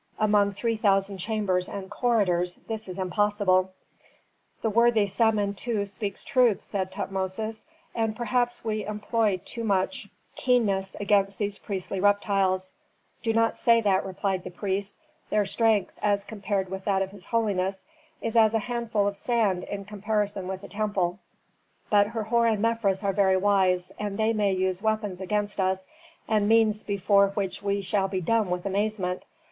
Among three thousand chambers and corridors this is impossible." "The worthy Samentu speaks truth," said Tutmosis. "And perhaps we employ too much keenness against these priestly reptiles." "Do not say that," replied the priest. "Their strength, as compared with that of his holiness, is as a handful of sand in comparison with a temple, but Herhor and Mefres are very wise, and they may use weapons against us and means before which we shall be dumb with amazement.